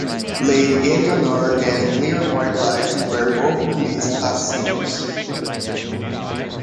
"Lady Eleanor" and "Clear White Light" were both released as singles.